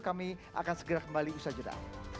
kami akan segera kembali usaha jeda